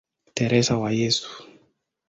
Teresa wa Yesu".